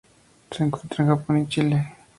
Se encuentra en Japón y Chile.